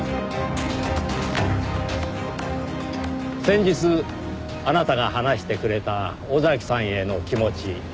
先日あなたが話してくれた尾崎さんへの気持ち。